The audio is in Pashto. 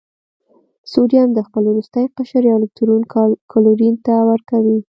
سوډیم د خپل وروستي قشر یو الکترون کلورین ته ورکوي.